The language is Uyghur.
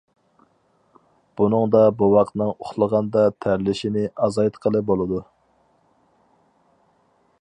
بۇنىڭدا بوۋاقنىڭ ئۇخلىغاندا تەرلىشىنى ئازايتقىلى بولىدۇ.